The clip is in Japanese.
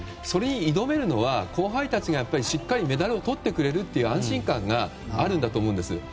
それに挑めるのは後輩たちがしっかりメダルをとってくれるという安心感があるんだと思うんです。